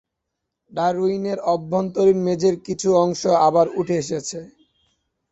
ডারউইনের অভ্যন্তরীণ মেঝের কিছু অংশ আবার উঠে এসেছে।